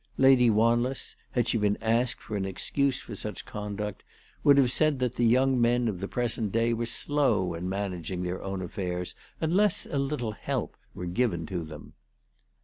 Lady Wanless, had she been asked for an excuse for such conduct, would have said that the young men of the present day were slow in managing their own affairs, unless a little help were given to them.